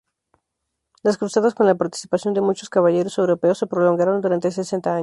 Las cruzadas, con la participación de muchos caballeros europeos, se prolongaron durante sesenta años.